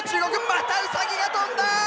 またウサギが跳んだ！